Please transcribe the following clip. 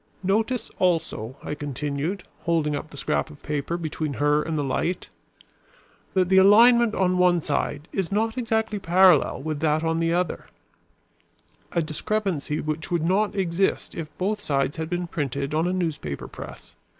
Notice also," I continued, holding up the scrap of paper between her and the light, "that the alignment on one side is not exactly parallel with that on the other; a discrepancy which would not exist if both sides had been printed on a newspaper press.